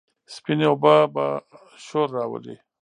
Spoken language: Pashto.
سپينې اوبه به شور راولي،